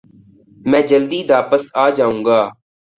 میں جلدی داپس آجاؤنگا ۔